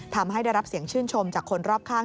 ทำให้ได้รับเสียงชื่นชมจากคนรอบข้าง